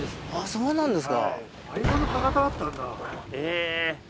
そうなんですか。